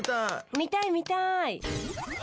見たい見たい。